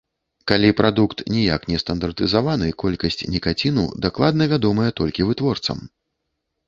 Калі прадукт ніяк не стандартызаваны, колькасць нікаціну дакладна вядомая толькі вытворцам.